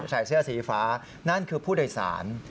ใส่เสื้อสีฟ้านั่นคือผู้โดยสาร